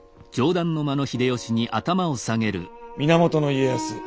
源家康